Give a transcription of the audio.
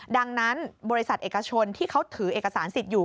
ดังนั้นบริษัทเอกชนที่เขาถือเอกสารสิทธิ์อยู่